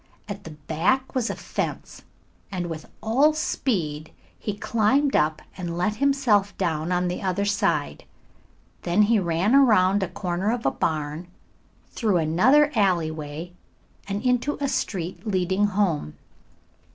At the back was a fence, and with all speed he climbed up and let himself down on the other side. Then he ran around a corner of a barn, through another alleyway, and into a street leading home.